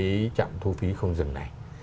điều chậm thu phí không dừng này